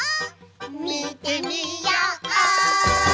みてみよう！